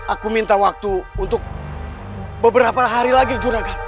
aku minta waktu untuk beberapa hari lagi junakan